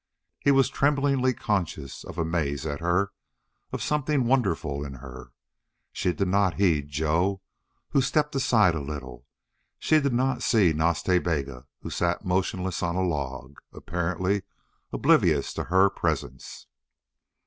He was tremblingly conscious of amaze at her of something wonderful in her. She did not heed Joe, who stepped aside a little; she did not see Nas Ta Bega, who sat motionless on a log, apparently oblivious to her presence.